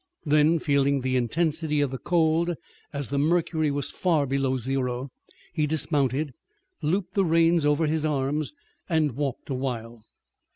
Then, feeling the intensity of the cold as the mercury was far below zero, he dismounted, looped the reins over his arms, and walked a while.